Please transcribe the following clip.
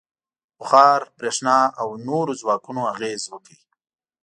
• بخار، برېښنا او نورو ځواکونو اغېز وکړ.